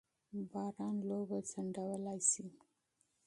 باران لوبه ځنډولای سي.